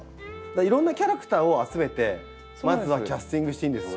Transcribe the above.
いろんなキャラクターを集めてまずはキャスティングしていいんですね。